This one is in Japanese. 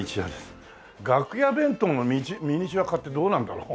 楽屋弁当のミニチュア化ってどうなんだろう？